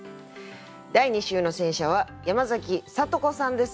第２週の選者は山崎聡子さんです。